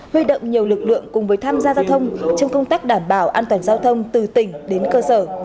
huy động nhiều lực lượng cùng với tham gia giao thông trong công tác đảm bảo an toàn giao thông từ tỉnh đến cơ sở